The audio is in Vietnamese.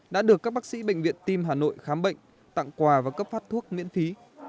đã được các bác sĩ bệnh viện tim hà nội khám bệnh tặng quà và cấp phát thuốc miễn phí